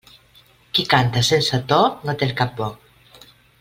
Qui canta sense to no té el cap bo.